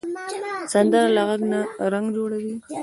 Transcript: سندره له غږ نه رنګ جوړوي